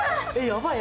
やばい！